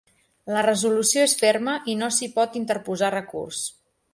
La resolució és ferma i no s’hi pot interposar recurs.